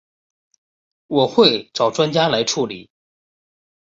我会找专家来处理